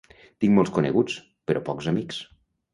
Tinc molts coneguts, però pocs amics.